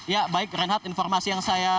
ya baik reinhardt informasi yang saya